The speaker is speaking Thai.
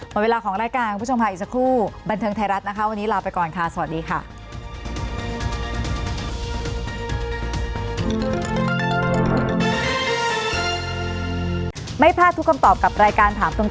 หมดเวลาของรายการคุณผู้ชมค่ะอีกสักครู่บันเทิงไทยรัฐนะคะวันนี้ลาไปก่อนค่ะสวัสดีค่ะ